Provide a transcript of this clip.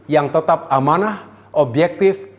yang tetap amanah objektif